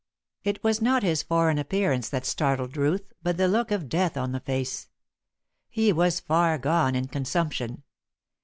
It was not his foreign appearance that startled Ruth, but the look of death on the face. He was far gone in consumption.